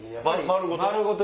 丸ごと？